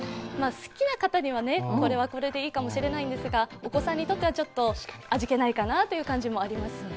好きな方にはこれはこれでいいかもしれないんですが、お子さんにとっては味気ないかなという感じがありますね。